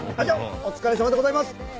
お疲れさまでございます！